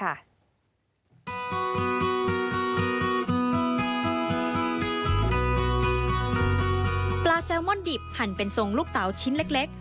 ปลาแซลมอนดิบหั่นเป็นทรงลูกเต๋าชิ้นเล็ก